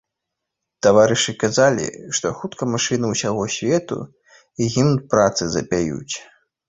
Таварышы казалі, што хутка машыны ўсяго свету гімн працы запяюць.